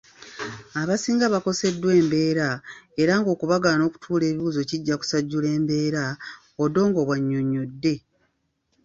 "Abasinga bakoseddwa embeera era ng'okubagaana okutuula ebibuuzo kijja kusajjula mbeera," Odongo bw'annyonnyodde.